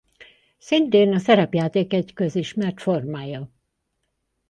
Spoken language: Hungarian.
Szintén a szerepjáték egy közismert formája.